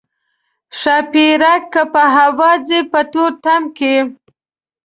ښاپیرک که په هوا ځي په تورتم کې.